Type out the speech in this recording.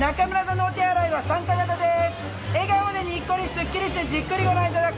笑顔でにっこりすっきりしてじっくりご覧いただく。